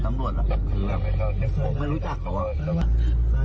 ผมไม่รู้จักกับเขา